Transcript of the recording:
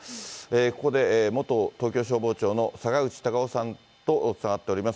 ここで元東京消防庁の坂口隆夫さんとつながっております。